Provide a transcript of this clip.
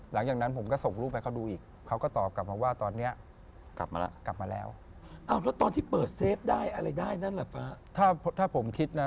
หลังจากนั้นผมก็ส่งรูปให้เขาดูอีก